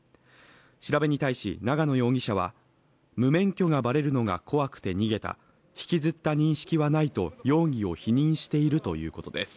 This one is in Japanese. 調べに対し永野容疑者は無免許がばれるのが怖くて逃げた引きずった認識はないと容疑を否認しているということです。